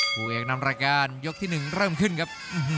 ครูเองนำราการยกที่หนึ่งเริ่มขึ้นครับ